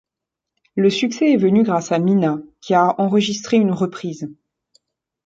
Le succès est venu grâce à Mina, qui a enregistré une reprise.